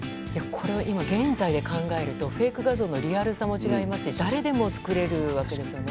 これは今現在で考えるとフェイク画像のリアルさも違うし誰でも作れるわけですよね。